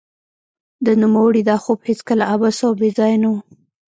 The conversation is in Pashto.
د نوموړي دا خوب هېڅکله عبث او بې ځای نه و